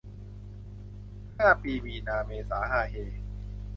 ห้าปีมีนาเมษาฮาเฮ